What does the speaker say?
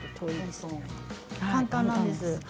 簡単なんです。